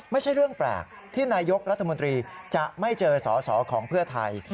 ไม่ใช่เรื่องแปลกที่นายกรัฐมนตรีจะไม่เจอสอสอของเพื่อไทย